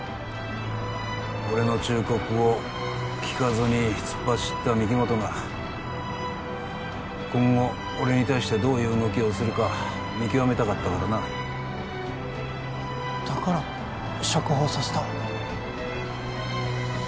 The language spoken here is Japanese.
俺の忠告を聞かずに突っ走った御木本が今後俺に対してどういう動きをするか見極めたかったからなだから釈放させた？